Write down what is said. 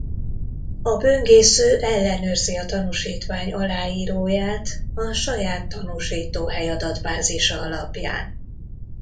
A böngésző ellenőrzi a tanúsítvány aláíróját a saját tanúsítóhely-adatbázisa alapján.